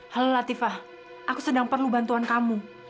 halo latifah aku sedang perlu bantuan kamu